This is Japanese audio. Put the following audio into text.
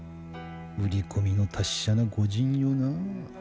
売り込みの達者な御仁よなあ。